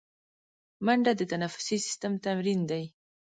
منډه د تنفسي سیستم تمرین دی